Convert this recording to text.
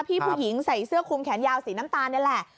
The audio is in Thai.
ผู้หญิงใส่เสื้อคุมแขนยาวสีน้ำตาลนี่แหละ